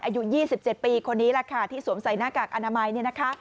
อายุ๒๗ปีคนนี้แหละค่ะที่สวมใส่หน้ากากอนามัยเนี่ยนะคะ